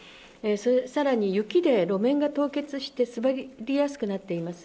さらに雪で路面が凍結して滑りやすくなっています。